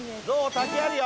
滝あるよ！